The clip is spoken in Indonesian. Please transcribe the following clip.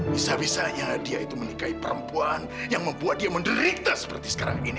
bisa bisanya dia itu menikahi perempuan yang membuat dia menderita seperti sekarang ini